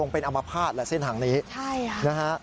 เป็นอมภาษณ์แหละเส้นทางนี้ใช่ค่ะนะฮะ